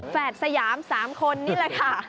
แฝดสยาม๓คนนี่แหละค่ะ